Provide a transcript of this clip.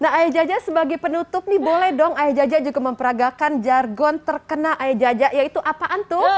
nah ayah jajah sebagai penutup nih boleh dong ayah jajah juga memperagakan jargon terkena ayah jajah yaitu apaan tuh